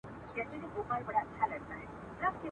ځکه مینه د یوه ستر او لوړ روح غوښتنه کوي